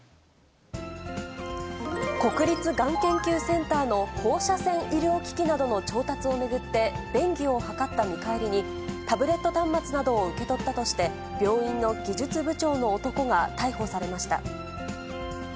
国立がん研究センターの放射線医療機器などの調達を巡って、便宜を図った見返りに、タブレット端末などを受け取ったとして、病院の技術部長の男が逮捕されました。